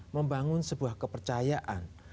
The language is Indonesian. membangun sebuah kepercayaan